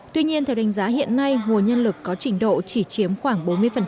tuy nhiên theo đánh giá hiện nay nguồn nhân lực có trình độ chỉ chiếm khoảng bốn mươi